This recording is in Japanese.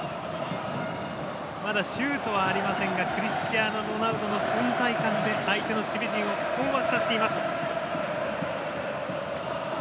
まだシュートありませんがクリスチアーノ・ロナウドの存在感で相手の守備陣を困惑させています。